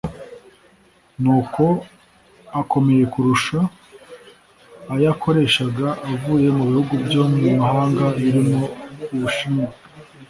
ni uko akomeye kurusha ayakoreshaga avuye mu bihugu byo mu mahanga birimo u Bushinwa